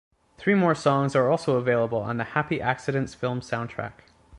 Three more songs are also available on the "Happy Accidents" film soundtrack.